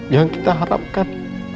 yang kita harapkan